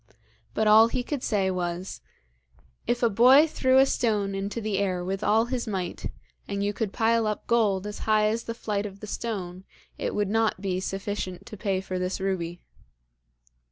But all he could say was: 'If a boy threw a stone into the air with all his might, and you could pile up gold as high as the flight of the stone, it would not be sufficient to pay for this ruby.'